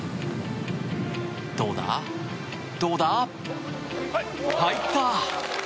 どうだ、どうだ入った！